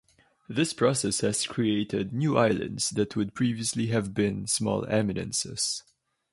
This process has created new islands that would previously have been small eminences.